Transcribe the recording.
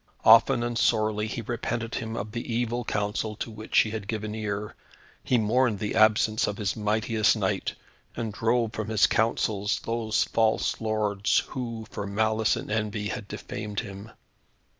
Often and sorely he repented him of the evil counsel to which he had given ear. He mourned the absence of his mightiest knight, and drove from his councils those false lords who, for malice and envy, had defamed him.